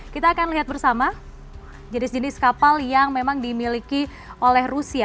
kita akan lihat bersama jenis jenis kapal yang memang dimiliki oleh rusia